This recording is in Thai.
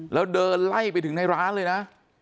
แล้วเดินไล่ไปถึงในร้านเลยนะ